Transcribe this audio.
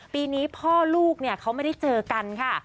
ปีนี้พ่อลูกเขาไม่ได้เจอกันค่ะ